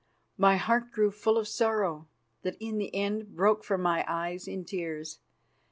My heart grew full of sorrow that in the end broke from my eyes in tears.